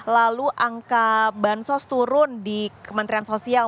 lalu angka bansos turun di kementerian sosial